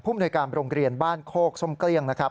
ผู้มนุษยกรรมโรงเรียนบ้านโคกสมเกลียงนะครับ